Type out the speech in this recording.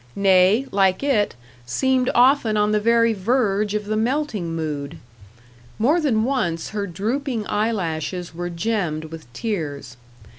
Nay, like it, seemed often on the very verge of the melting mood. More than once her drooping eyelashes were gemmed with tears.